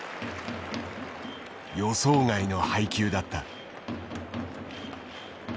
予想外の配球だった。